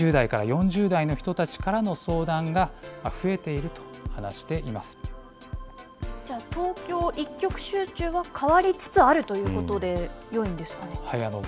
２０代から４０代の人たちからの相談が、増えていると話していまじゃあ、東京一極集中は変わりつつあるということでよいんですかね。